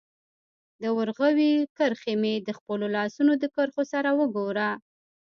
د ورغوي کرښي مي د خپلو لاسونو د کرښو سره وګوره